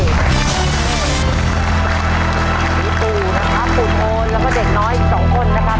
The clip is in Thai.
หลวงปู่นะครับปู่โทนแล้วก็เด็กน้อยอีก๒คนนะครับ